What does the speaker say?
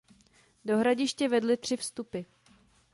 Do hradiště vedly tři vstupy.